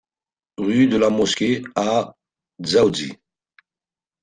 RUE DE LA MOSQUEE à Dzaoudzi